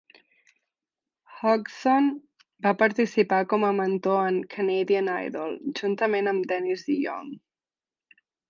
Hodgson va participar com a mentor en "Canadian Idol" juntament amb Dennis DeYoung.